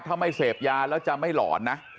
ถ้าไม่เสพยาแล้วจะไม่หลอนนะ